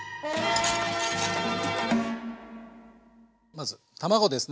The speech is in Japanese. まず卵ですね。